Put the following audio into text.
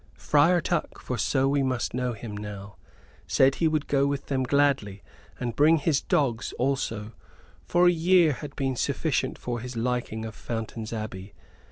Friar Tuck for so we must know him now said he would go with them gladly, and bring his dogs also, for a year had been sufficient for his liking of Fountain's Abbey.